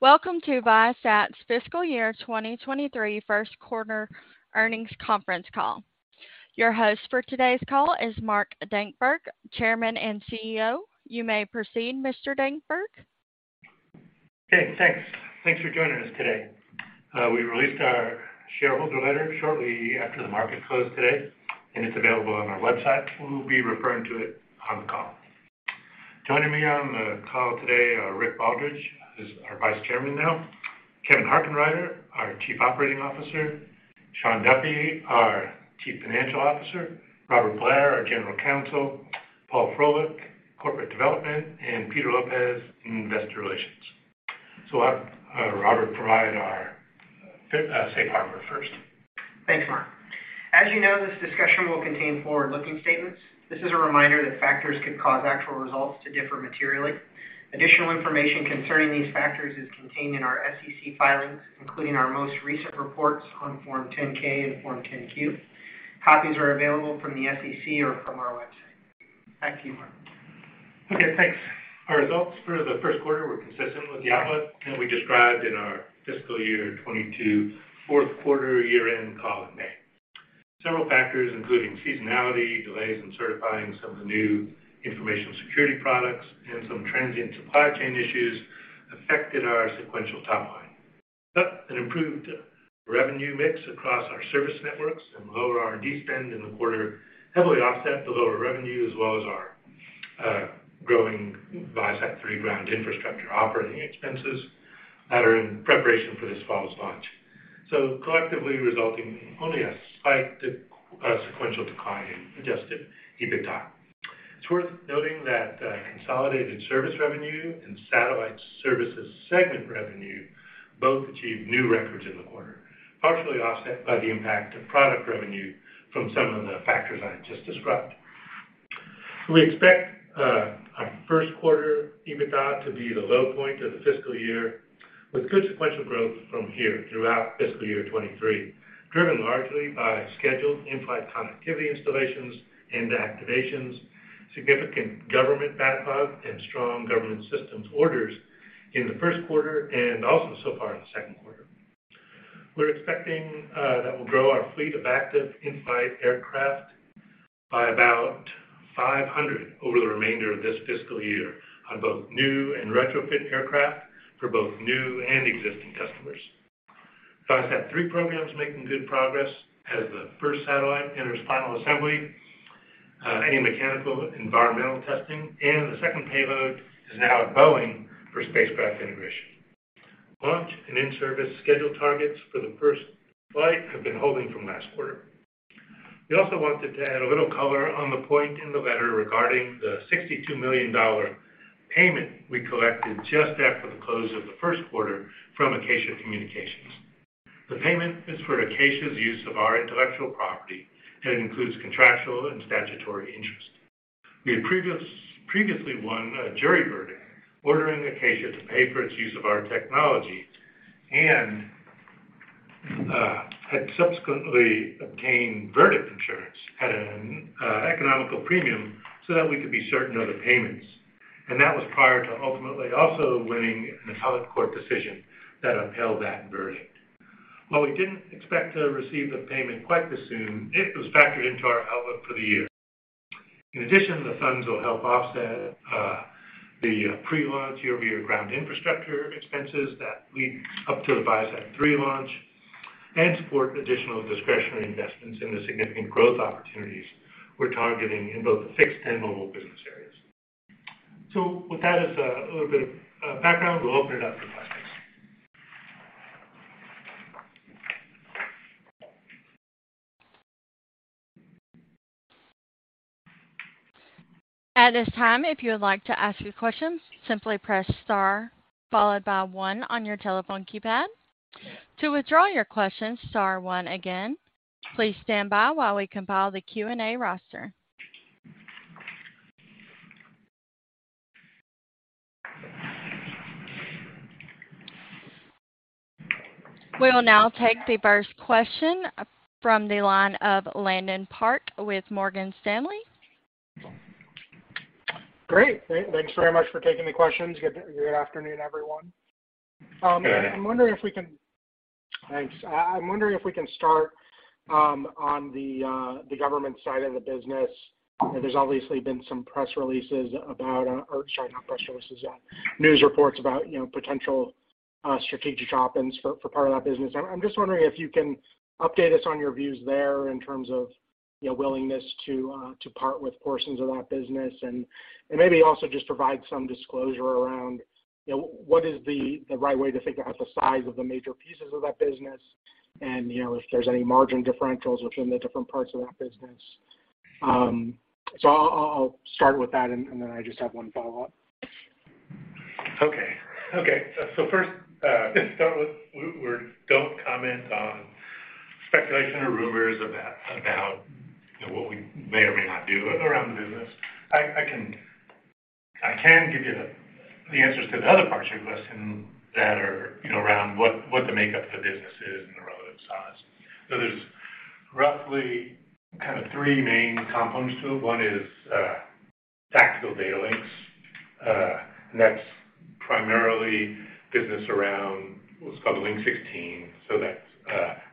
Welcome to Viasat's fiscal year 2023 first quarter earnings conference call. Your host for today's call is Mark Dankberg, Chairman and CEO. You may proceed, Mr. Dankberg. Okay, thanks. Thanks for joining us today. We released our shareholder letter shortly after the market closed today, and it's available on our website. We will be referring to it on the call. Joining me on the call today are Rick Baldridge, who's our Vice Chairman now, Kevin Harkenrider, our Chief Operating Officer, Shawn Duffy, our Chief Financial Officer, Robert Blair, our General Counsel, Paul Froelich, Corporate Development, and Peter Lopez in Investor Relations. I'll have Robert provide our safe harbor first. Thanks, Mark. As you know, this discussion will contain forward-looking statements. This is a reminder that factors could cause actual results to differ materially. Additional information concerning these factors is contained in our SEC filings, including our most recent reports on Form 10-K and Form 10-Q. Copies are available from the SEC or from our website. Back to you, Mark. Okay, thanks. Our results for the first quarter were consistent with the output that we described in our fiscal year 2022 fourth quarter year-end call in May. Several factors, including seasonality, delays in certifying some of the new information security products, and some transient supply chain issues affected our sequential top line. An improved revenue mix across our service networks and lower R&D spend in the quarter heavily offset the lower revenue, as well as our growing ViaSat-3 ground infrastructure operating expenses that are in preparation for this fall's launch, so collectively resulting in only a slight sequential decline in adjusted EBITDA. It's worth noting that consolidated service revenue and Satellite Services segment revenue both achieved new records in the quarter, partially offset by the impact of product revenue from some of the factors I just described. We expect our first quarter EBITDA to be the low point of the fiscal year, with good sequential growth from here throughout fiscal year 2023, driven largely by scheduled in-flight connectivity installations and activations, significant government backlog, and strong Government Systems orders in the first quarter and also so far in the second quarter. We're expecting that we'll grow our fleet of active in-flight aircraft by about 500 over the remainder of this fiscal year on both new and retrofit aircraft for both new and existing customers. ViaSat-3 program's making good progress as the first satellite enters final assembly and mechanical environmental testing, and the second payload is now at Boeing for spacecraft integration. Launch and in-service schedule targets for the first flight have been holding from last quarter. We also wanted to add a little color on the point in the letter regarding the $62 million payment we collected just after the close of the first quarter from Acacia Communications. The payment is for Acacia's use of our intellectual property, and it includes contractual and statutory interest. We had previously won a jury verdict ordering Acacia to pay for its use of our technology and had subsequently obtained verdict insurance at an economical premium so that we could be certain of the payments, and that was prior to ultimately also winning an appellate court decision that upheld that verdict. While we didn't expect to receive the payment quite this soon, it was factored into our outlook for the year. In addition, the funds will help offset the pre-launch year-over-year ground infrastructure expenses that lead up to the ViaSat-3 launch and support additional discretionary investments in the significant growth opportunities we're targeting in both the fixed and mobile business areas. With that as a little bit of background, we'll open it up to questions. At this time, if you would like to ask your questions, simply press star followed by one on your telephone keypad. To withdraw your question, star one again. Please stand by while we compile the Q&A roster. We will now take the first question from the line of Landon Park with Morgan Stanley. Great. Thanks very much for taking the questions. Good afternoon, everyone. Good afternoon. I'm wondering if we can start on the Government side of the business. There's obviously been some press releases about, or sorry, not press releases, news reports about, you know, potential strategic options for part of that business. I'm just wondering if you can update us on your views there in terms of, you know, willingness to part with portions of that business. Maybe also just provide some disclosure around, you know, what is the right way to think about the size of the major pieces of that business and, you know, if there's any margin differentials within the different parts of that business. I'll start with that and then I just have one follow-up. First, we don't comment on speculation or rumors about, you know, what we may or may not do around the business. I can give you the answers to the other parts of your question that are, you know, around what the makeup of the business is, and there's roughly kind of three main components to it. One is tactical data links, and that's primarily business around what's called the Link 16.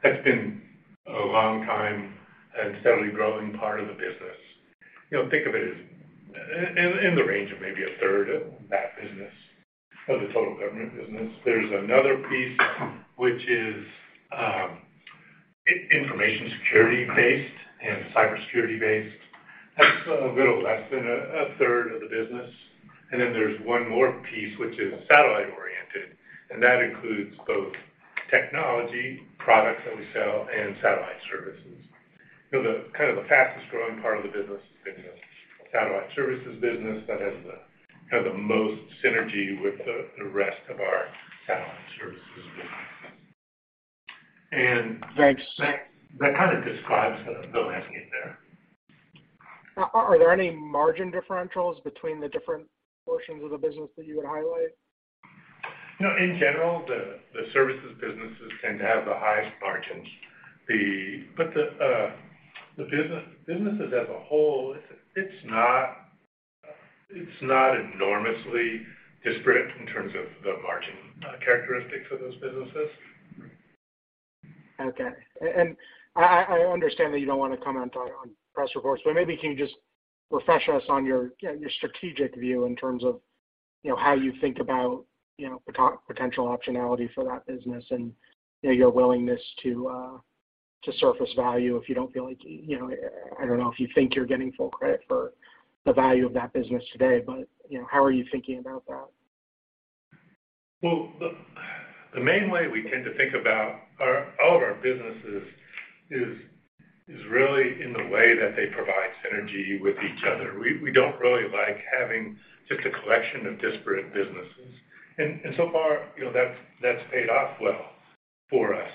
That's been a long time and steadily growing part of the business. You know, think of it as in the range of maybe a third of that business, of the total government business. There's another piece which is information security-based and cybersecurity-based. That's a little less than a third of the business. Then there's one more piece which is satellite-oriented, and that includes both technology products that we sell and Satellite Services. You know, the kind of the fastest-growing part of the business has been the Satellite Services business that has the, kind of the most synergy with the rest of our Satellite Services business. Thanks. That kind of describes the landscape there. Are there any margin differentials between the different portions of the business that you would highlight? You know, in general, the services businesses tend to have the highest margins. The businesses as a whole, it's not enormously disparate in terms of the margin characteristics of those businesses. Okay. And I understand that you don't wanna comment on press reports, but maybe can you just refresh us on your strategic view in terms of, you know, how you think about, you know, potential optionality for that business and, you know, your willingness to surface value if you don't feel like, you know, I don't know if you think you're getting full credit for the value of that business today. You know, how are you thinking about that? Well, the main way we tend to think about all of our businesses is really in the way that they provide synergy with each other. We don't really like having just a collection of disparate businesses. So far, you know, that's paid off well for us.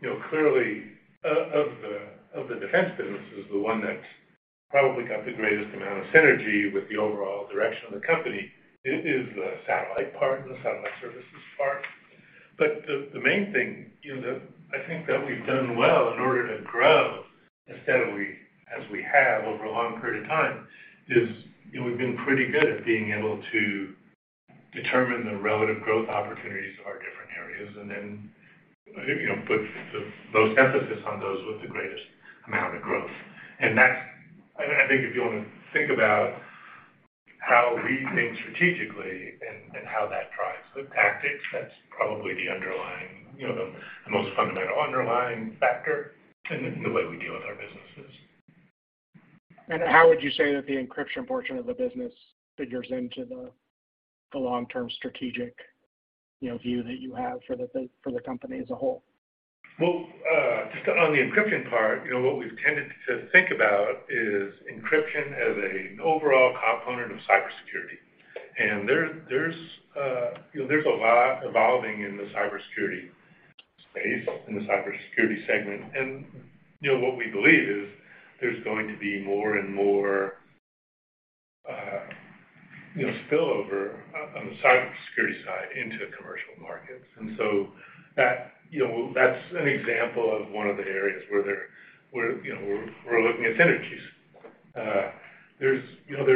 You know, clearly, of the defense businesses, the one that's probably got the greatest amount of synergy with the overall direction of the company is the satellite part and the Satellite Services part. The main thing, you know, that I think that we've done well in order to grow as we have over a long period of time, is, you know, we've been pretty good at being able to determine the relative growth opportunities of our different areas and then, you know, put the most emphasis on those with the greatest amount of growth. That's. I think if you wanna think about how we think strategically and how that drives the tactics, that's probably the underlying, you know, the most fundamental underlying factor in the way we deal with our businesses. How would you say that the encryption portion of the business figures into the long-term strategic, you know, view that you have for the company as a whole? Well, just on the encryption part, you know, what we've tended to think about is encryption as an overall component of cybersecurity. There, you know, there's a lot evolving in the cybersecurity space, in the cybersecurity segment. You know, what we believe is there's going to be more and more, you know, spillover on the cybersecurity side into commercial markets. That, you know, that's an example of one of the areas where, you know, we're looking at synergies. You know,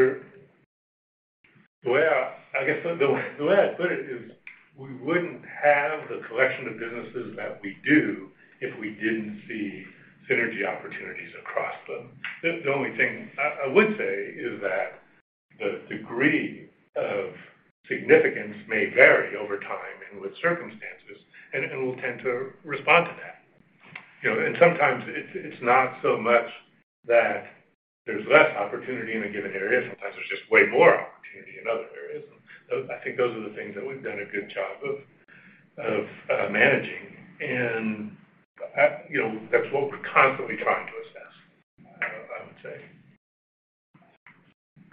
the way I guess the way I'd put it is we wouldn't have the collection of businesses that we do if we didn't see synergy opportunities across them. The only thing I would say is that the degree of significance may vary over time and with circumstances, and we'll tend to respond to that. You know, and sometimes it's not so much that there's less opportunity in a given area. Sometimes there's just way more opportunity in other areas. I think those are the things that we've done a good job of managing. You know, that's what we're constantly trying to assess, I would say.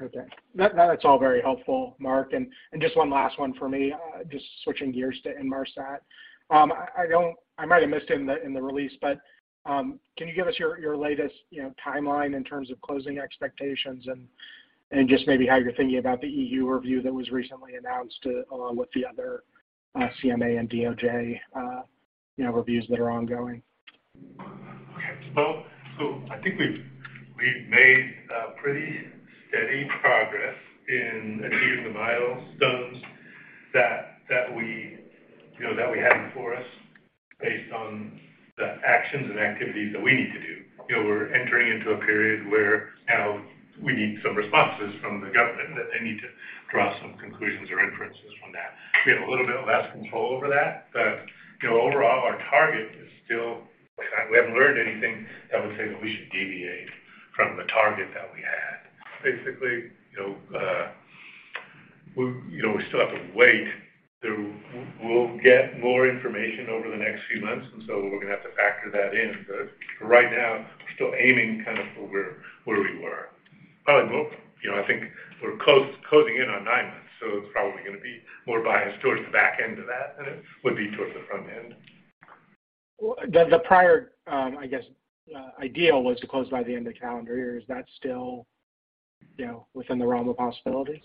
Okay. That's all very helpful, Mark. Just one last one for me, just switching gears to Inmarsat. I might have missed it in the release, but can you give us your latest, you know, timeline in terms of closing expectations and just maybe how you're thinking about the EU review that was recently announced, along with the other CMA and DOJ, you know, reviews that are ongoing? Okay. Well, so I think we've made pretty steady progress in achieving the milestones that we you know that we had before us based on the actions and activities that we need to do. You know, we're entering into a period where now we need some responses from the government, that they need to draw some conclusions or inferences from that. We have a little bit less control over that. You know, overall, our target is still. We haven't learned anything that would say that we should deviate from the target that we had. Basically, you know, we still have to wait. We'll get more information over the next few months, and so we're gonna have to factor that in. For right now, we're still aiming kind of for where we were, probably more. You know, I think we're closing in on nine months, so it's probably gonna be more biased towards the back end of that than it would be towards the front end. Well, the prior ideal was to close by the end of calendar year. Is that still, you know, within the realm of possibilities?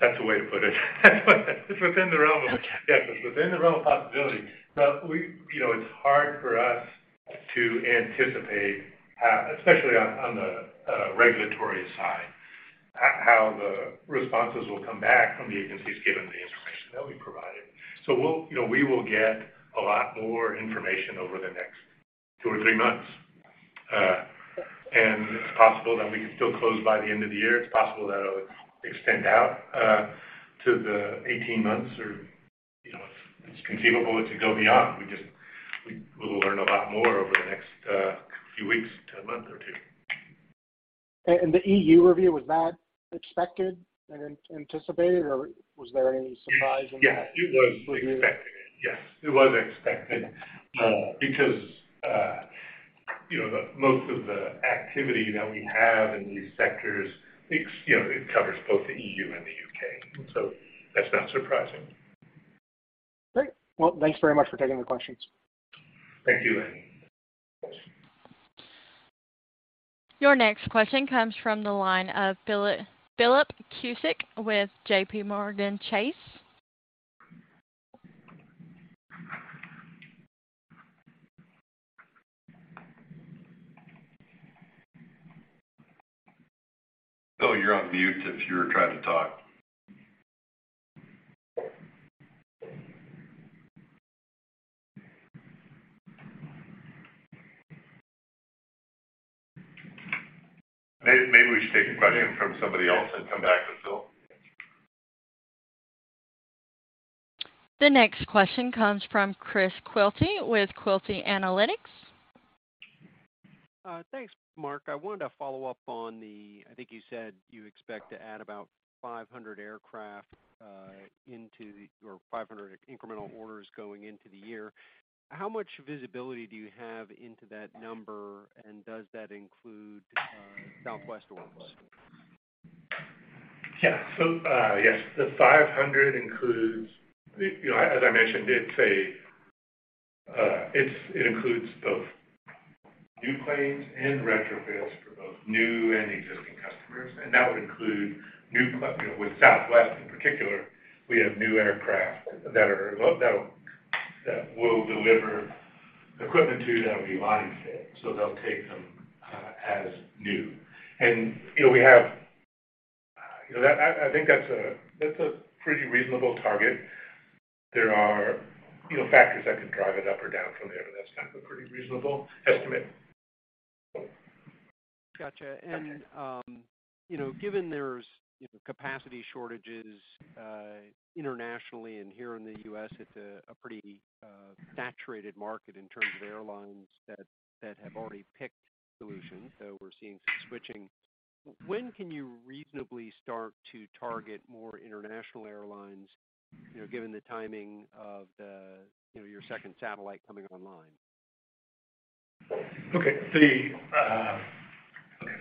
That's a way to put it. It's within the realm of possibility. Yes, it's within the realm of possibility. Now, we, you know, it's hard for us to anticipate, especially on the regulatory side, how the responses will come back from the agencies given the information that we provided. We'll, you know, we will get a lot more information over the next two or three months. It's possible that we could still close by the end of the year. It's possible that it'll extend out to the 18 months or, you know, it's conceivable it could go beyond. We just will learn a lot more over the next few weeks to a month or two. The EU review, was that expected and anticipated or was there any surprise in that? It was expected, because, you know, the most of the activity that we have in these sectors, it's, you know, it covers both the EU and the U.K. That's not surprising. Great. Well, thanks very much for taking the questions. Thank you. Your next question comes from the line of Philip Cusick with JPMorgan Chase. Philip, you're on mute if you were trying to talk. Maybe we should take a question from somebody else and come back to Philip. The next question comes from Chris Quilty with Quilty Analytics. Thanks, Mark. I wanted to follow up. I think you said you expect to add about 500 aircraft, or 500 incremental orders going into the year. How much visibility do you have into that number, and does that include Southwest orders? Yeah. Yes, the 500 includes, you know, as I mentioned, it includes both new planes and retrofits for both new and existing customers, and that would include. You know, with Southwest in particular, we have new aircraft that we'll deliver equipment to that will be line fit. They'll take them as new. You know, we have. You know, I think that's a pretty reasonable target. There are, you know, factors that could drive it up or down from there, but that's kind of a pretty reasonable estimate. Gotcha. You know, given there's you know, capacity shortages internationally and here in the U.S., it's a pretty saturated market in terms of airlines that have already picked solutions, though we're seeing some switching. When can you reasonably start to target more international airlines, you know, given the timing of the you know, your second satellite coming online?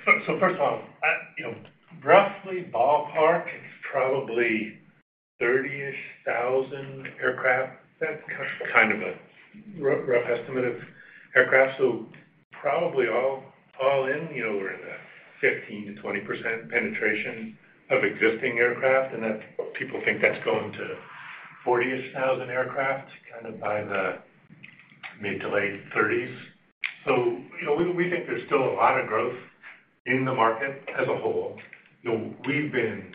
First of all, you know, roughly ballpark, it's probably 30,000-ish aircraft. That's kind of a rough estimate of aircraft. Probably all in, you know, we're in the 15%-20% penetration of existing aircraft, and that's people think that's going to 40,000-ish aircraft kind of by the mid- to late thirties. You know, we think there's still a lot of growth in the market as a whole. You know, we've been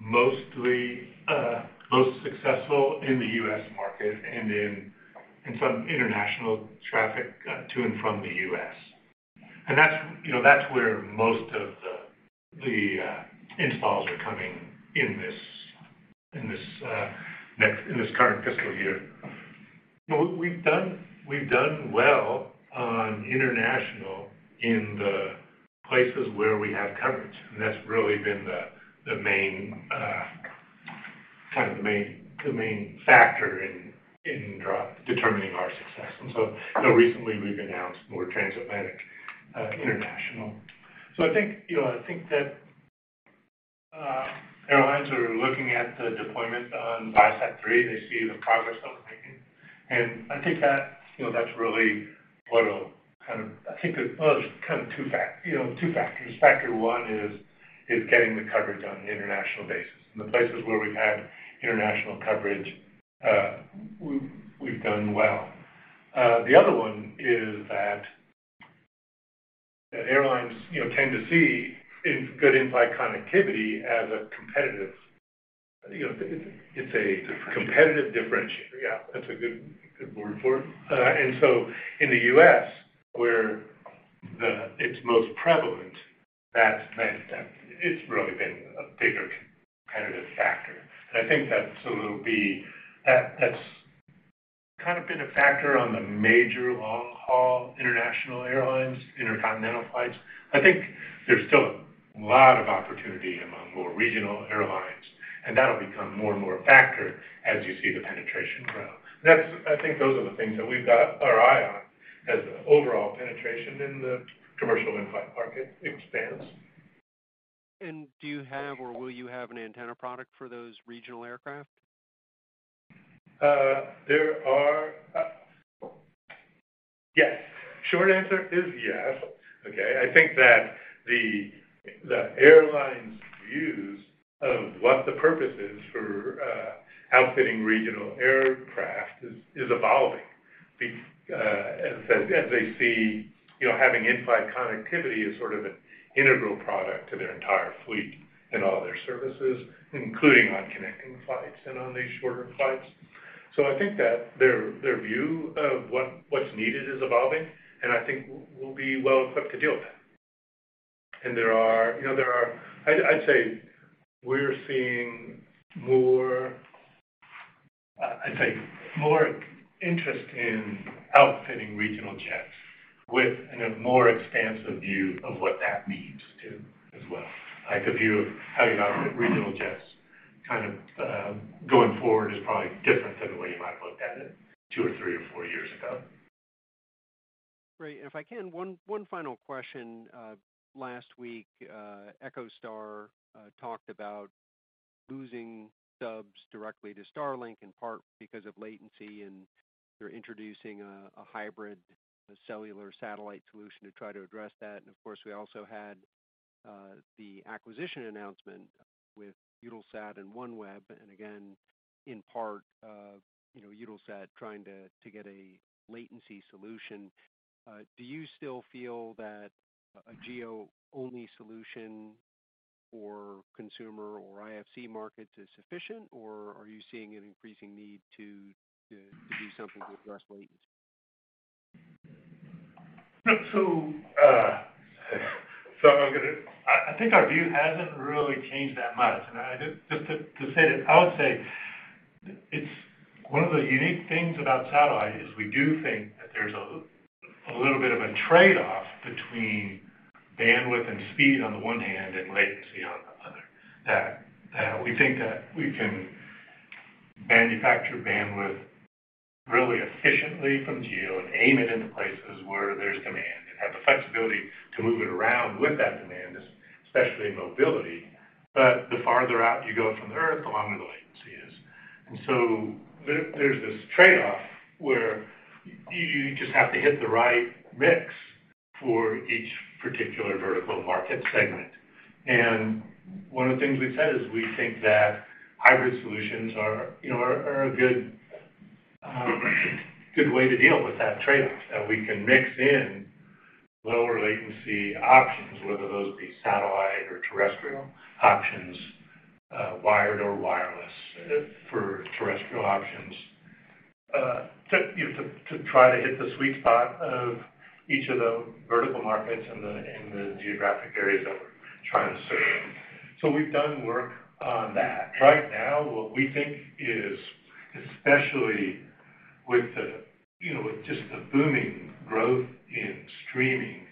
mostly most successful in the U.S. market and in some international traffic to and from the U.S. That's, you know, that's where most of the installs are coming in this current fiscal year. We've done well on international in the places where we have coverage, and that's really been the main factor in determining our success. You know, recently we've announced more transatlantic international. I think that airlines are looking at the deployment on ViaSat-3. They see the progress that we're making, and I think that, you know, that's really what'll. I think it's two factors. Factor one is getting the coverage on the international basis. In the places where we've had international coverage, we've done well. The other one is that airlines, you know, tend to see in-flight connectivity as a competitive, you know, it's a competitive differentiator. Yeah. That's a good word for it. So in the U.S., where it's most prevalent, that's. It's really been a bigger competitive factor. I think that's kind of been a factor on the major long-haul international airlines, intercontinental flights. I think there's still a lot of opportunity among more regional airlines, and that'll become more and more a factor as you see the penetration grow. I think those are the things that we've got our eye on as the overall penetration in the commercial in-flight market expands. Do you have or will you have an antenna product for those regional aircraft? Short answer is yes. Okay. I think that the airline's views of what the purpose is for outfitting regional aircraft is evolving. As they see, you know, having in-flight connectivity as sort of an integral product to their entire fleet and all their services, including on connecting flights and on these shorter flights. I think that their view of what's needed is evolving, and I think we'll be well equipped to deal with that. There are, you know. I'd say we're seeing more interest in outfitting regional jets with, in a more expansive view of what that means too as well. Like, the view of how you outfit regional jets kind of going forward is probably different than the way you might have looked at it 2 or 3 or 4 years ago. Great. If I can, one final question. Last week, EchoStar talked about losing subs directly to Starlink, in part because of latency, and they're introducing a hybrid cellular-satellite solution to try to address that. Of course, we also had the acquisition announcement with Eutelsat and OneWeb, and again, in part, you know, Eutelsat trying to get a latency solution. Do you still feel that a GEO-only solution for consumer or IFC markets is sufficient, or are you seeing an increasing need to do something to address latency? I think our view hasn't really changed that much. I would say it's one of the unique things about satellite is we do think that there's a little bit of a trade-off between bandwidth and speed on the one hand and latency on the other. That we think that we can manufacture bandwidth really efficiently from GEO and aim it into places where there's demand and have the flexibility to move it around with that demand, especially in mobility. The farther out you go from Earth, the longer the latency is. There's this trade-off where you just have to hit the right mix for each particular vertical market segment. One of the things we've said is we think that hybrid solutions are, you know, are a good way to deal with that trade-off. That we can mix in lower latency options, whether those be satellite or terrestrial options, wired or wireless, for terrestrial options, to you know try to hit the sweet spot of each of the vertical markets in the geographic areas that we're trying to serve. We've done work on that. Right now, what we think is, especially with just the booming growth in streaming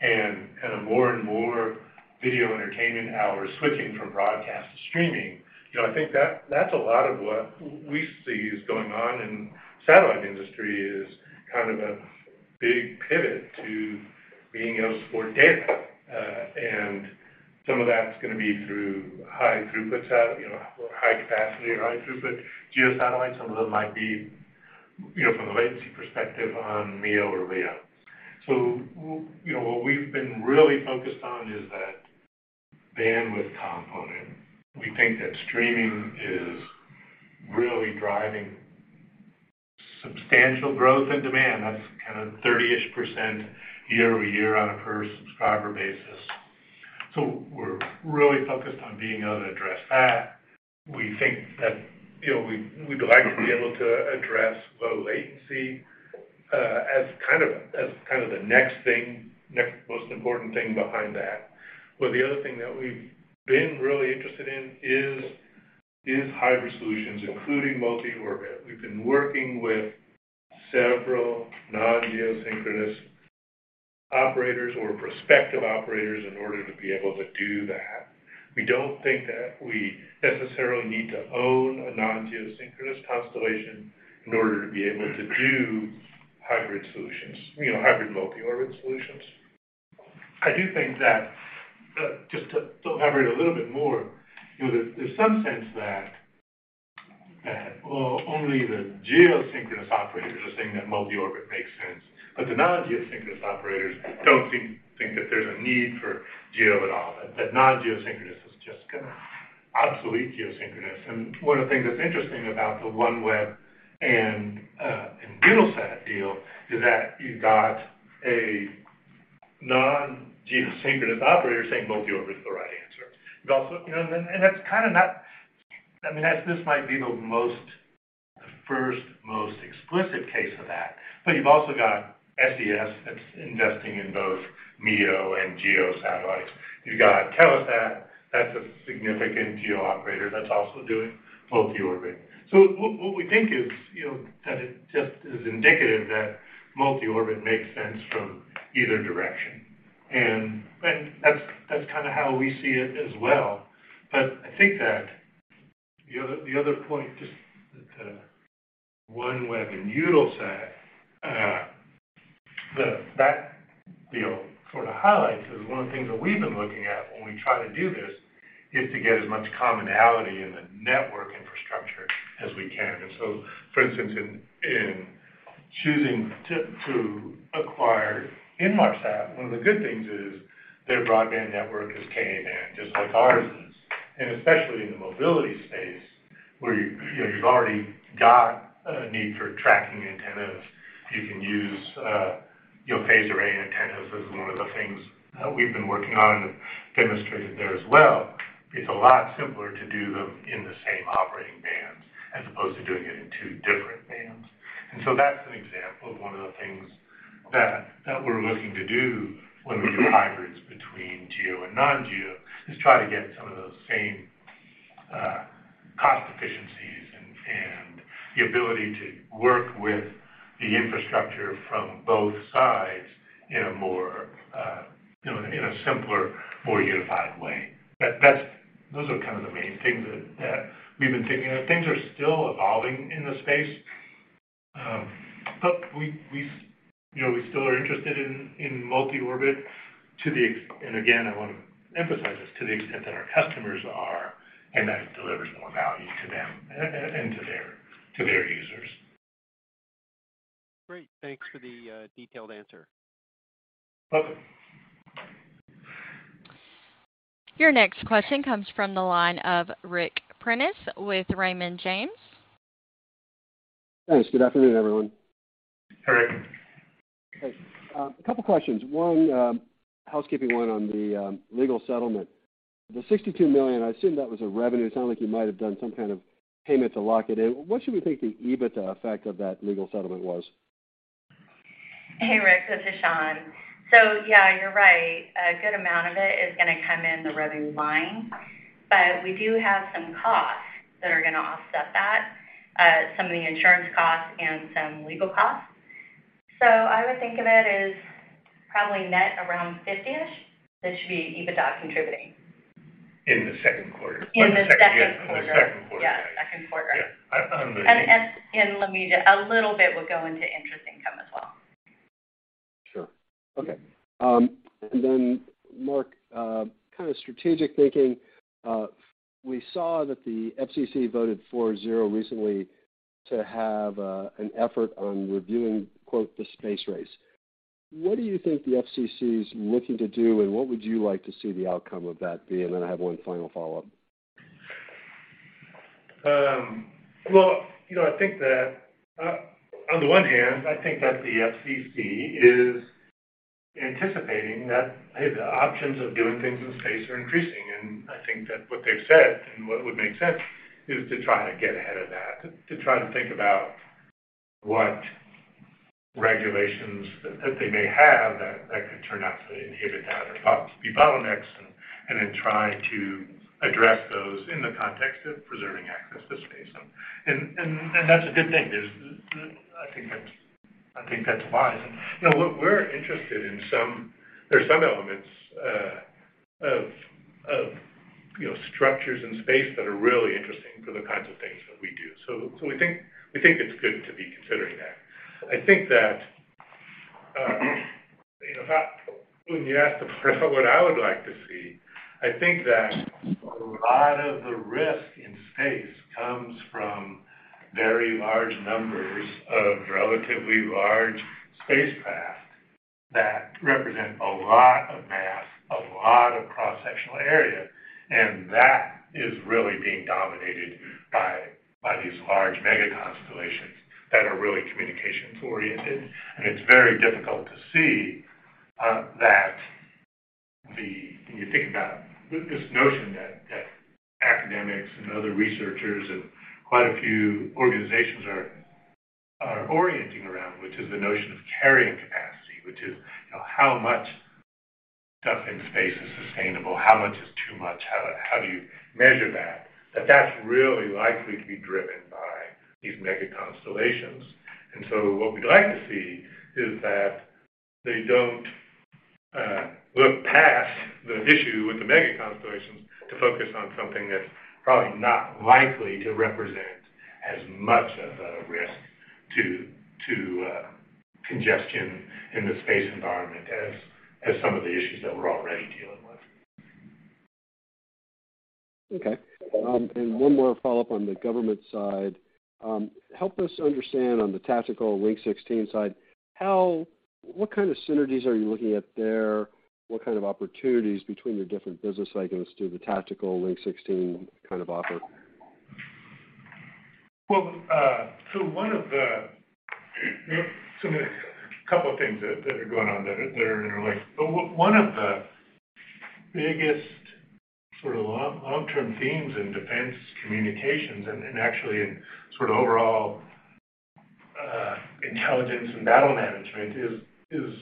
and more and more video entertainment hours switching from broadcast to streaming. You know, I think that's a lot of what we see is going on, and satellite industry is kind of a big pivot to being able to support data. Some of that's gonna be through high throughput you know, high capacity or high throughput GEO satellites. Some of them might be, you know, from the latency perspective on MEO or LEO. What we've been really focused on is that bandwidth component. We think that streaming is really driving substantial growth and demand. That's kind of 30-ish% year-over-year on a per-subscriber basis. We're really focused on being able to address that. We think that, you know, we'd like to be able to address low latency, as kind of the next thing, next most important thing behind that. The other thing that we've been really interested in is hybrid solutions, including multi-orbit. We've been working with several non-geosynchronous operators or prospective operators in order to be able to do that. We don't think that we necessarily need to own a non-geosynchronous constellation in order to be able to do hybrid solutions, you know, hybrid multi-orbit solutions. I do think that just to elaborate a little bit more, you know, there's some sense that, well, only the geosynchronous operators are saying that multi-orbit makes sense, but the non-geosynchronous operators don't seem to think that there's a need for GEO at all, that non-geosynchronous is just gonna obsolete geosynchronous. One of the things that's interesting about the OneWeb and Eutelsat deal is that you've got a non-geosynchronous operator saying multi-orbit is the right answer. You've also, you know, and that's kinda not. I mean, this might be the first, most explicit case of that. You've also got SES that's investing in both MEO and GEO satellites. You've got Telesat. That's a significant GEO operator that's also doing multi-orbit. What we think is, you know, that it just is indicative that multi-orbit makes sense from either direction. That's kinda how we see it as well. I think that the other point, just to OneWeb and Eutelsat, that deal sort of highlights is one of the things that we've been looking at when we try to do this, is to get as much commonality in the network infrastructure as we can. For instance, in choosing to acquire Inmarsat, one of the good things is their broadband network is Ka-band, just like ours is. Especially in the mobility space, where you know you've already got a need for tracking antennas, you can use phased array antennas is one of the things we've been working on and demonstrated there as well. It's a lot simpler to do them in the same operating bands as opposed to doing it in two different bands. That's an example of one of the things that we're looking to do when we do hybrids between GEO and non-GEO, is try to get some of those same cost efficiencies and the ability to work with the infrastructure from both sides in a more you know in a simpler, more unified way. That's those are kind of the main things that we've been thinking of. Things are still evolving in the space. We still are interested in multi-orbit to the extent, and again, I wanna emphasize this, to the extent that our customers are, and that it delivers more value to them and to their users. Great. Thanks for the detailed answer. Welcome. Your next question comes from the line of Ric Prentiss with Raymond James. Thanks. Good afternoon, everyone. Hey, Ric. Hey. A couple questions. One, housekeeping one on the legal settlement. The $62 million, I assume that was a revenue. It sounded like you might have done some kind of payment to lock it in. What should we think the EBITDA effect of that legal settlement was? Hey, Ric. This is Shawn. Yeah, you're right. A good amount of it is gonna come in the revenue line, but we do have some costs that are gonna offset that, some of the insurance costs and some legal costs. I would think of it as probably net around $50-ish. That should be EBITDA contributing. In the second quarter. In the second quarter. The second, yeah. Second quarter. Yeah, second quarter. Yeah. I'm reading. Let me just a little bit will go into interest income as well. Sure. Okay. Mark, kind of strategic thinking, we saw that the FCC voted 4-0 recently to have an effort on reviewing, quote, "the space race." What do you think the FCC is looking to do, and what would you like to see the outcome of that be? I have one final follow-up. Well, you know, I think that on the one hand, I think that the FCC is anticipating that, hey, the options of doing things in space are increasing. I think that what they've said, and what would make sense, is to try to get ahead of that, to try to think about what regulations that they may have that could turn out to inhibit that or possibly be bottlenecks, and then try to address those in the context of preserving access to space. That's a good thing. I think that's wise. You know, we're interested in some elements of, you know, structures in space that are really interesting for the kinds of things that we do. We think it's good to be considering that. I think that, you know, when you ask what I would like to see, I think that a lot of the risk in space comes from very large numbers of relatively large spacecraft that represent a lot of mass, a lot of cross-sectional area, and that is really being dominated by these large mega constellations that are really communications-oriented. It's very difficult to see that the... When you think about this notion that academics and other researchers and quite a few organizations are orienting around, which is the notion of carrying capacity. Which is, you know, how much stuff in space is sustainable? How much is too much? How do you measure that? That's really likely to be driven by these mega constellations. What we'd like to see is that they don't look past the issue with the mega constellations to focus on something that's probably not likely to represent as much of a risk to congestion in the space environment as some of the issues that we're already dealing with. Okay. One more follow-up on the government side. Help us understand on the tactical Link 16 side, what kind of synergies are you looking at there? What kind of opportunities between the different business cycles do the tactical Link 16 kind of offer? Well, one of the biggest long-term themes in defense communications and actually in sort of overall intelligence and battle management is.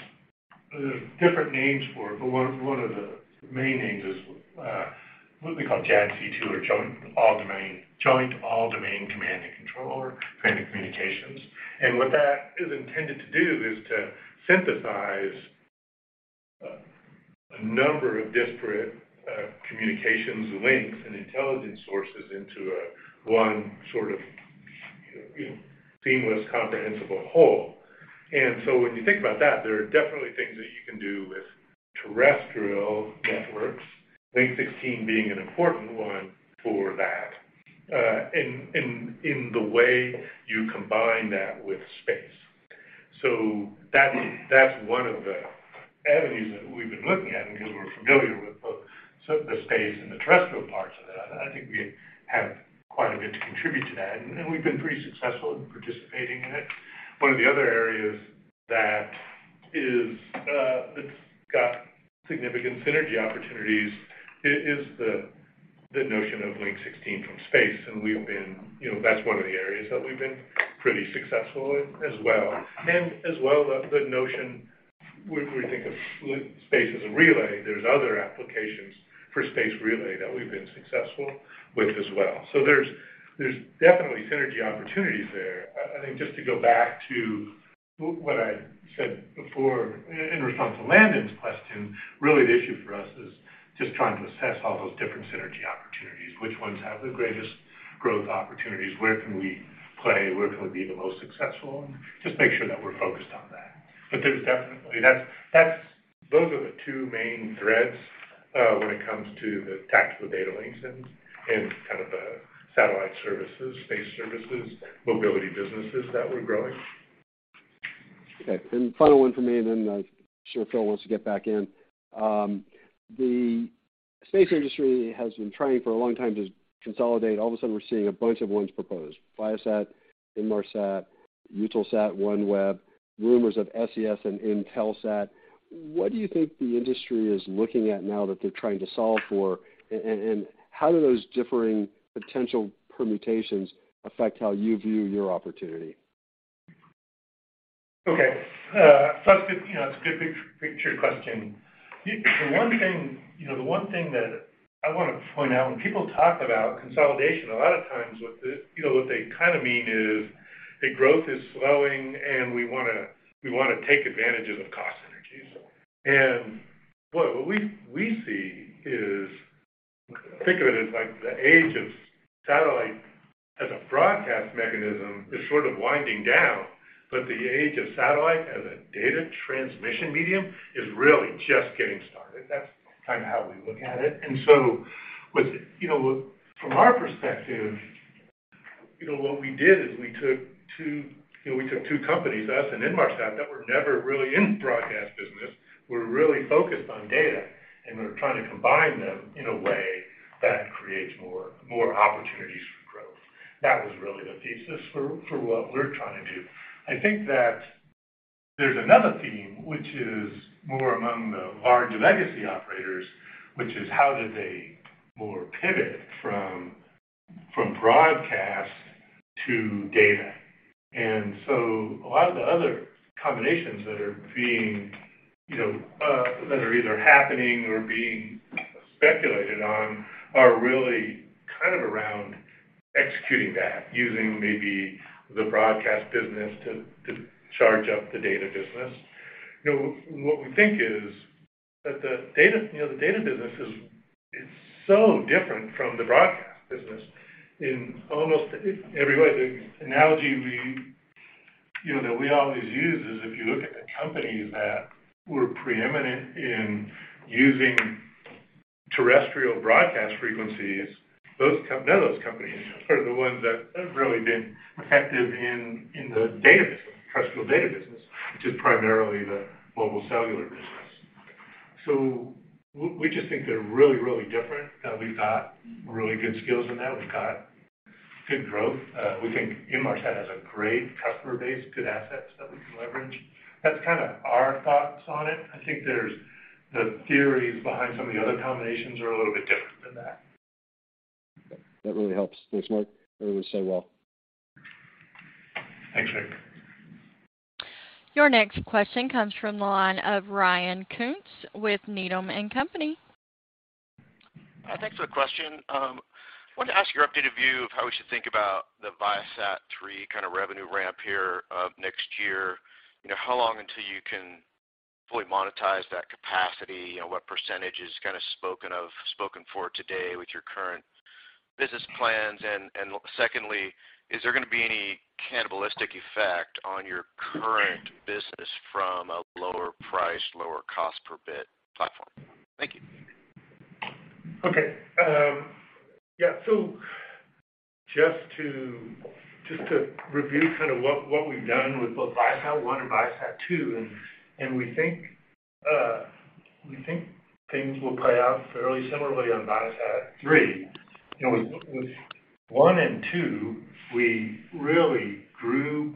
There are different names for it, but one of the main names is what we call JADC2 or Joint All-Domain Command and Control or Joint Communications. What that is intended to do is to synthesize a number of disparate communications links and intelligence sources into a seamless, comprehensible whole. When you think about that, there are definitely things that you can do with terrestrial networks, Link 16 being an important one for that, in the way you combine that with space. That's one of the avenues that we've been looking at because we're familiar with both the space and the terrestrial parts of that. I think we have quite a bit to contribute to that, and we've been pretty successful in participating in it. One of the other areas that's got significant synergy opportunities is the notion of Link 16 from space. You know, that's one of the areas that we've been pretty successful in as well. As well, the notion where we think of space as a relay, there's other applications for space relay that we've been successful with as well. There's definitely synergy opportunities there. I think just to go back to what I said before in response to Landon's question, really the issue for us is just trying to assess all those different synergy opportunities, which ones have the greatest growth opportunities, where can we play, where can we be the most successful, and just make sure that we're focused on that. Those are the two main threads when it comes to the tactical data links and kind of the Satellite Services, space services, mobility businesses that we're growing. Okay. Final one for me, and then I'm sure Phil wants to get back in. The space industry has been trying for a long time to consolidate. All of a sudden, we're seeing a bunch of deals proposed. Viasat, Inmarsat, Eutelsat, OneWeb, rumors of SES and Intelsat. What do you think the industry is looking at now that they're trying to solve for, and how do those differing potential permutations affect how you view your opportunity? Okay. That's a good, you know, it's a good big picture question. The one thing, you know, the one thing that I wanna point out, when people talk about consolidation, a lot of times what, you know, what they kinda mean is that growth is slowing, and we wanna take advantages of cost synergies. What we see is, think of it as like the age of satellite as a broadcast mechanism is sort of winding down, but the age of satellite as a data transmission medium is really just getting started. That's kind of how we look at it. With, you know, from our perspective, you know what we did is we took two companies, us and Inmarsat, that were never really in broadcast business. We're really focused on data, and we're trying to combine them in a way that creates more opportunities for growth. That was really the thesis for what we're trying to do. I think that there's another theme, which is more among the large legacy operators, which is how do they more pivot from broadcast to data. A lot of the other combinations that are either happening or being speculated on are really kind of around executing that, using maybe the broadcast business to charge up the data business. What we think is that the data business is so different from the broadcast business in almost every way. The analogy that we always use is if you look at the companies that were preeminent in using terrestrial broadcast frequencies, none of those companies are the ones that have really been effective in the data business, terrestrial data business, which is primarily the mobile cellular business. We just think they're really different. We've got really good skills in that. We've got good growth. We think Inmarsat has a great customer base, good assets that we can leverage. That's kinda our thoughts on it. I think the theories behind some of the other combinations are a little bit different than that. That really helps. Thanks, Mark. Always say well. Thanks, Ric. Your next question comes from the line of Ryan Koontz with Needham & Company. Hi. Thanks for the question. Wanted to ask your updated view of how we should think about the ViaSat-3 kind of revenue ramp here for next year. You know, how long until you can fully monetize that capacity? You know, what percentage is kind of spoken for today with your current business plans? And secondly, is there gonna be any cannibalistic effect on your current business from a lower price, lower cost per bit platform? Thank you. Just to review kind of what we've done with both ViaSat-1 and ViaSat-2, and we think things will play out fairly similarly on ViaSat-3. You know, with one and two, we really grew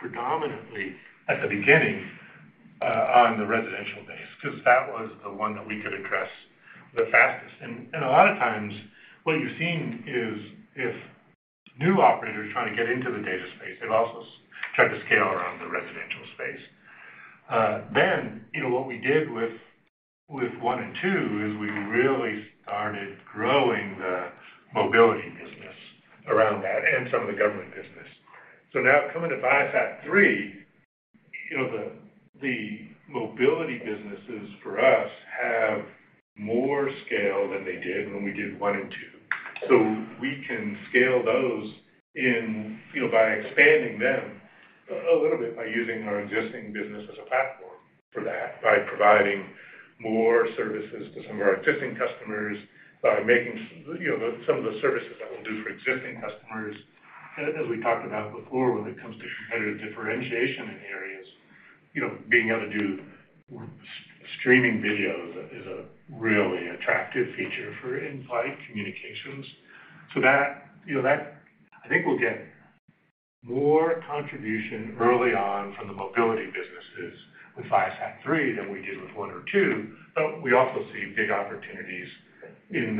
predominantly at the beginning on the residential base, 'cause that was the one that we could address the fastest. A lot of times what you've seen is if new operators trying to get into the data space, they've also tried to scale around the residential space. Then, you know, what we did with one and two is we really started growing the mobility business around that and some of the government business. Now coming to ViaSat-3. You know, the mobility businesses for us have more scale than they did when we did one and two. We can scale those in, you know, by expanding them a little bit by using our existing business as a platform for that, by providing more services to some of our existing customers, by making some of the services that we'll do for existing customers. As we talked about before, when it comes to competitive differentiation in areas, you know, being able to do streaming video is a really attractive feature for in-flight communications. That, you know, I think we'll get more contribution early on from the mobility businesses with ViaSat-3 than we did with one or two. But we also see big opportunities in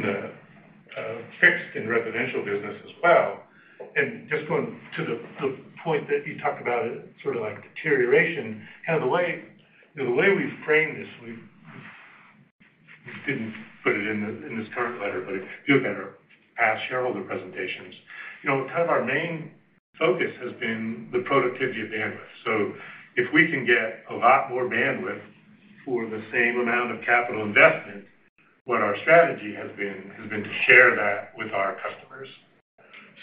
the fixed and residential business as well. Just going to the point that you talked about, sort of like deterioration, kind of the way, you know, the way we frame this, we didn't put it in this current letter, but if you look at our past shareholder presentations, you know, kind of our main focus has been the productivity of bandwidth. So if we can get a lot more bandwidth for the same amount of capital investment, what our strategy has been has been to share that with our customers.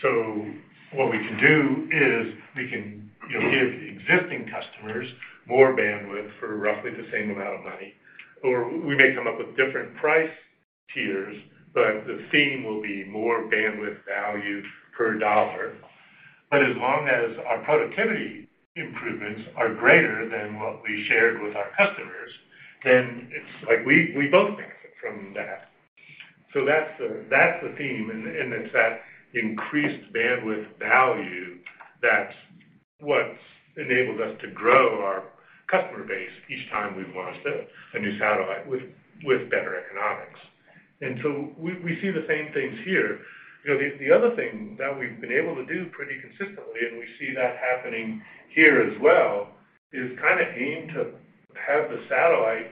So what we can do is we can, you know, give the existing customers more bandwidth for roughly the same amount of money, or we may come up with different price tiers, but the theme will be more bandwidth value per dollar. As long as our productivity improvements are greater than what we shared with our customers, then it's like we both benefit from that. That's the theme, and it's that increased bandwidth value that's what's enabled us to grow our customer base each time we've launched a new satellite with better economics. We see the same things here. You know, the other thing that we've been able to do pretty consistently, and we see that happening here as well, is kind of aim to have the satellite,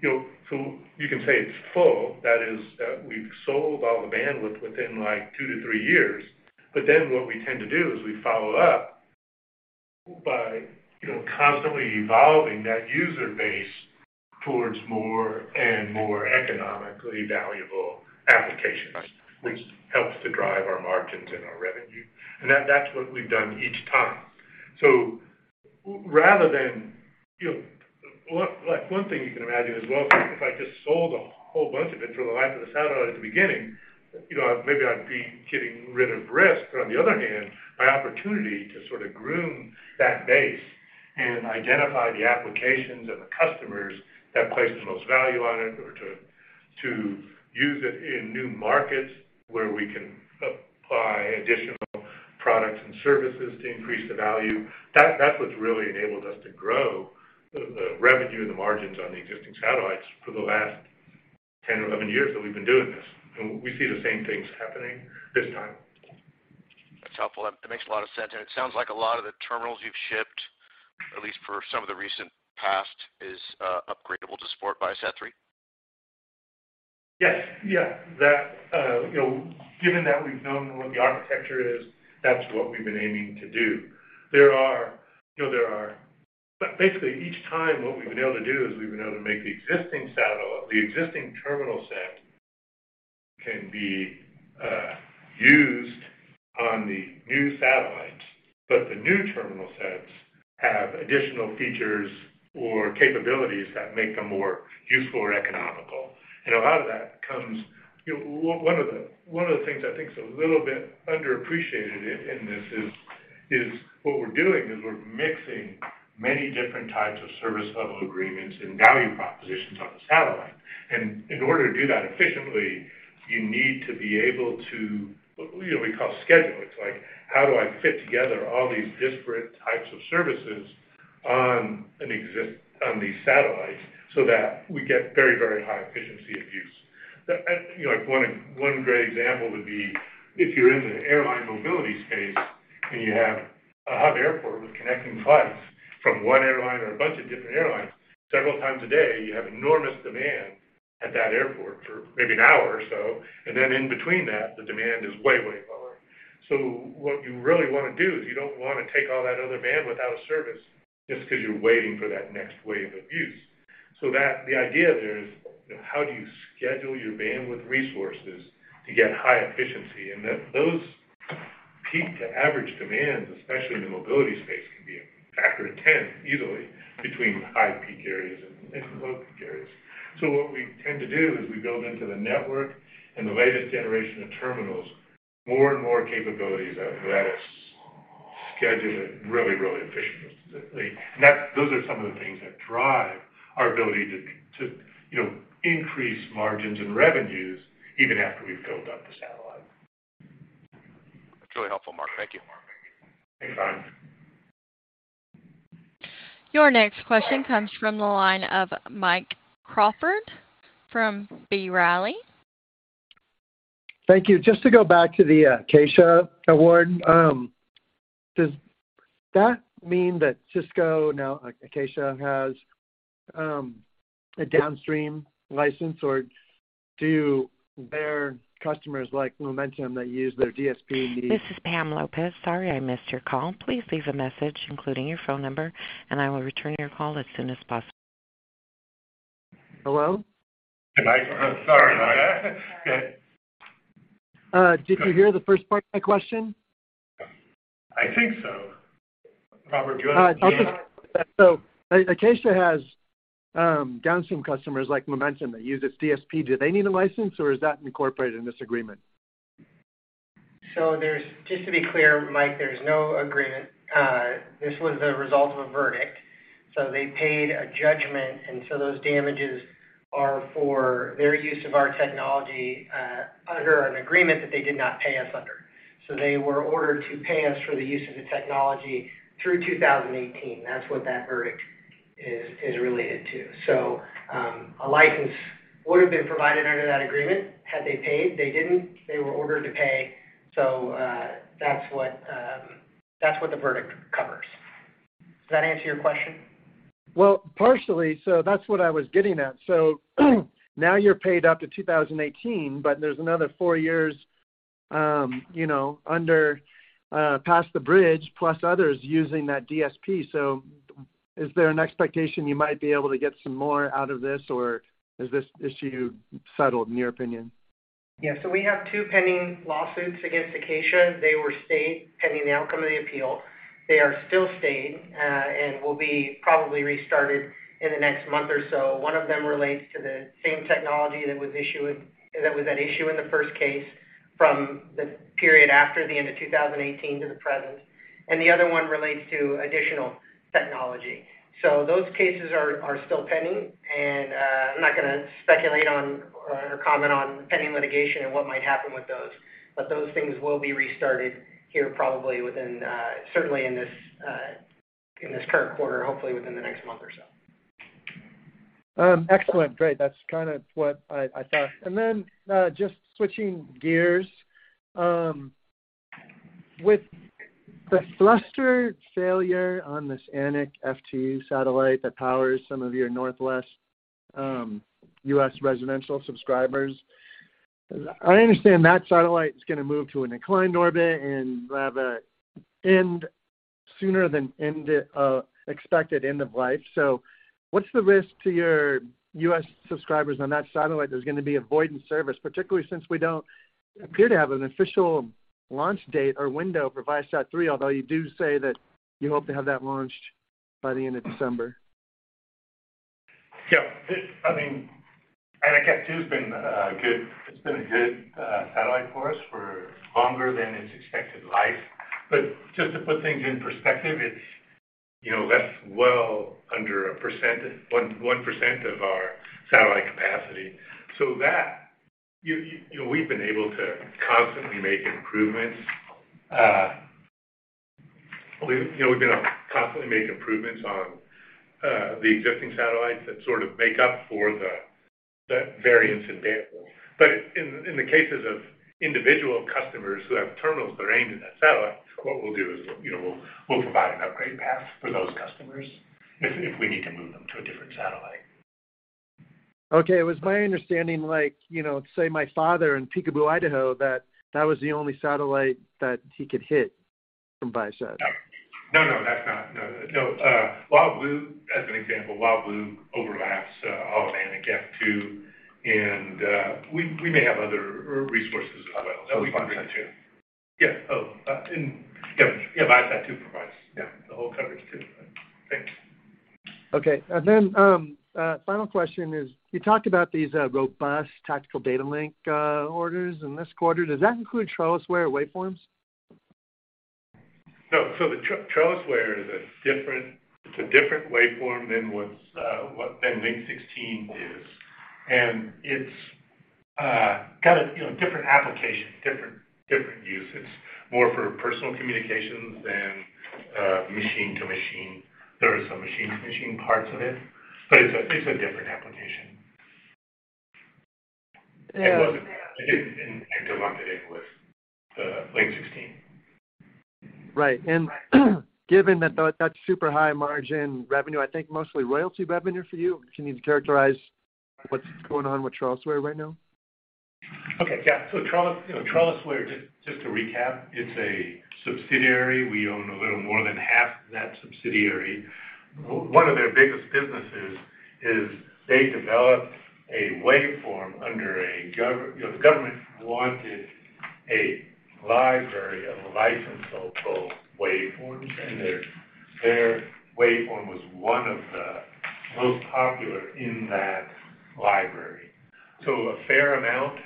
you know, so you can say it's full. That is that we've sold all the bandwidth within, like, two to three years. what we tend to do is we follow up by, you know, constantly evolving that user base towards more and more economically valuable applications, which helps to drive our margins and our revenue. That's what we've done each time. Rather than, you know, like, one thing you can imagine as well, if I just sold a whole bunch of it for the life of the satellite at the beginning, you know, maybe I'd be getting rid of risk. On the other hand, my opportunity to sort of groom that base and identify the applications and the customers that place the most value on it or to use it in new markets where we can apply additional products and services to increase the value, that's what's really enabled us to grow the revenue and the margins on the existing satellites for the last 10 or 11 years that we've been doing this. We see the same things happening this time. That's helpful. That makes a lot of sense. It sounds like a lot of the terminals you've shipped, at least for some of the recent past, is upgradeable to support ViaSat-3. Yes. Yeah. That, you know, given that we've known what the architecture is, that's what we've been aiming to do. Basically each time what we've been able to do is we've been able to make the existing satellite the existing terminal set can be used on the new satellites. The new terminal sets have additional features or capabilities that make them more useful or economical. Out of that comes one of the things I think is a little bit underappreciated in this is what we're doing is we're mixing many different types of service level agreements and value propositions on the satellite. In order to do that efficiently, you need to be able to, you know, we call schedule. It's like, how do I fit together all these disparate types of services on these satellites so that we get very, very high efficiency of use. You know, like, one great example would be if you're in the airline mobility space and you have a hub airport with connecting flights from one airline or a bunch of different airlines several times a day, you have enormous demand at that airport for maybe an hour or so, and then in between that, the demand is way lower. What you really wanna do is you don't wanna take all that other bandwidth out of service just 'cause you're waiting for that next wave of use. The idea there is, you know, how do you schedule your bandwidth resources to get high efficiency? That those peak to average demands, especially in the mobility space, can be a factor of 10 easily between high peak areas and low peak areas. What we tend to do is we build into the network and the latest generation of terminals more and more capabilities that let us schedule it really, really efficiently. Those are some of the things that drive our ability to, you know, increase margins and revenues even after we've built out the satellite. That's really helpful, Mark. Thank you. Thanks. Your next question comes from the line of Mike Crawford from B. Riley. Thank you. Just to go back to the Acacia award. Does that mean that Cisco, now Acacia, has A downstream license, or do their customers like Lumentum that use their DSP need- This is Peter Lopez. Sorry I missed your call. Please leave a message including your phone number, and I will return your call as soon as possible. Hello? Oh, sorry, Mike. Did you hear the first part of my question? I think so. Robert, do you want to- Acacia has downstream customers like Lumentum that use its DSP. Do they need a license or is that incorporated in this agreement? Just to be clear, Mike, there's no agreement. This was the result of a verdict. They paid a judgment, and those damages are for their use of our technology under an agreement that they did not pay us under. They were ordered to pay us for the use of the technology through 2018. That's what that verdict is related to. A license would have been provided under that agreement had they paid. They didn't. They were ordered to pay. That's what the verdict covers. Does that answer your question? Well, partially. That's what I was getting at. Now you're paid up to 2018, but there's another four years, you know, under, past the bridge plus others using that DSP. Is there an expectation you might be able to get some more out of this, or is this issue settled in your opinion? Yeah. We have two pending lawsuits against Acacia. They were stayed pending the outcome of the appeal. They are still staying, and will be probably restarted in the next month or so. One of them relates to the same technology that was at issue in the first case from the period after the end of 2018 to the present. The other one relates to additional technology. Those cases are still pending, and I'm not gonna speculate on or comment on pending litigation and what might happen with those. Those things will be restarted here probably within, certainly in this current quarter, hopefully within the next month or so. Excellent. Great. That's kinda what I thought. Just switching gears. With the thruster failure on this Anik F2 satellite that powers some of your Northwest U.S. residential subscribers, I understand that satellite is gonna move to an inclined orbit and have an end sooner than expected end of life. What's the risk to your U.S. subscribers on that satellite? There's gonna be a void in service, particularly since we don't appear to have an official launch date or window for ViaSat-3, although you do say that you hope to have that launched by the end of December. Yeah. I mean, Anik F2 has been a good satellite for us for longer than its expected life. Just to put things in perspective, you know, that's well under 1% of our satellite capacity. We've you know been able to constantly make improvements on the existing satellites that sort of make up for the variance in bandwidth. In the cases of individual customers who have terminals that are aimed at that satellite, what we'll do is we'll you know provide an upgrade path for those customers if we need to move them to a different satellite. Okay. It was my understanding, like, you know, say my father in Picabo, Idaho, that that was the only satellite that he could hit from Viasat. No. WildBlue, as an example, WildBlue overlaps all of Anik F2. We may have other resources as well that we can bring to. It's not great too. Yeah. ViaSat-2 provides, yeah, the whole coverage too. Thanks. Okay. Final question is you talked about these robust tactical data link orders in this quarter. Does that include TrellisWare waveforms? No. TrellisWare is a different waveform than Link 16 is. It's got a different application, different uses, more for personal communications than machine to machine. There are some machine to machine parts of it, but it's a different application. Yeah, okay. It wasn't, it didn't interlock it in with Link 16. Right. Given that that's super high margin revenue, I think mostly royalty revenue for you, can you characterize what's going on with TrellisWare right now? TrellisWare, you know, just to recap, it's a subsidiary. We own a little more than half of that subsidiary. One of their biggest businesses is they developed a waveform. You know, the government wanted a library of licensed open waveforms, and their waveform was one of the most popular in that library. A fair amount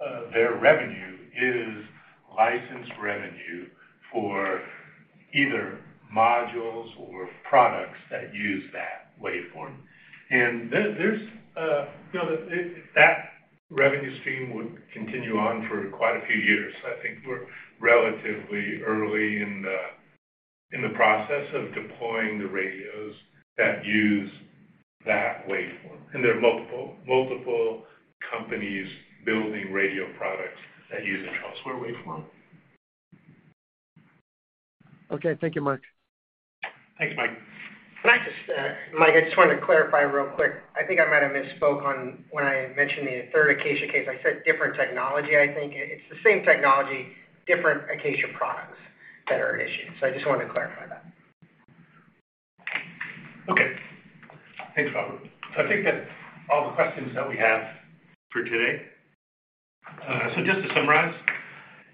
of their revenue is licensed revenue for either modules or products that use that waveform. There's, you know, that revenue stream would continue on for quite a few years. I think we're relatively early in the process of deploying the radios that use that waveform, and there are multiple companies building radio products that use a TrellisWare waveform. Okay. Thank you, Mark. Thanks, Mike. Can I just, Mike, I just wanted to clarify real quick. I think I might have misspoke on when I mentioned the third Acacia case. I said different technology, I think. It's the same technology, different Acacia products that are issued. I just wanted to clarify that. Okay. Thanks, Robert. I think that's all the questions that we have for today. Just to summarize,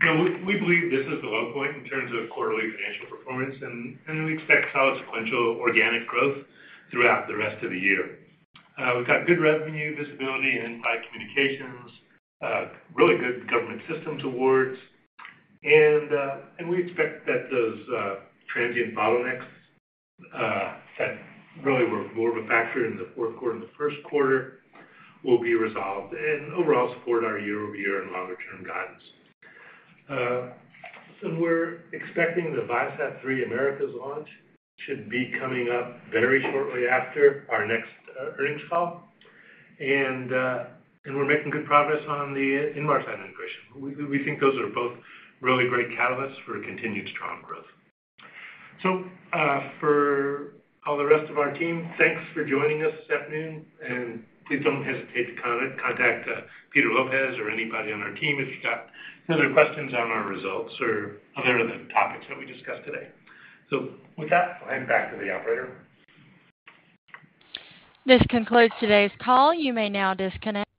you know, we believe this is the low point in terms of quarterly financial performance, and we expect solid sequential organic growth throughout the rest of the year. We've got good revenue visibility in Viasat Communications, really good Government Systems awards, and we expect that those transient bottlenecks that really were more of a factor in the fourth quarter and the first quarter will be resolved and overall support our year-over-year and longer-term guidance. We're expecting the ViaSat-3 Americas launch should be coming up very shortly after our next earnings call. We're making good progress on the Inmarsat integration. We think those are both really great catalysts for continued strong growth. for all the rest of our team, thanks for joining us this afternoon, and please don't hesitate to contact Peter Lopez or anybody on our team if you've got any other questions on our results or other topics that we discussed today. With that, I'll hand it back to the operator. This concludes today's call. You may now disconnect.